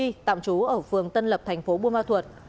trần kiều lý tạm trú ở phường tân lập thành phố bô ma thuật